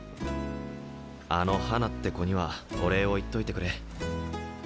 あの花って子にはお礼を言っといてくれ。